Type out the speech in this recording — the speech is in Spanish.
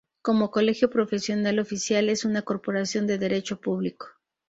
Como colegio profesional oficial es una Corporación de derecho público.